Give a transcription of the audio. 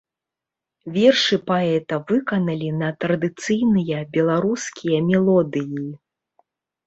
Вершы паэта выканалі на традыцыйныя беларускія мелодыі.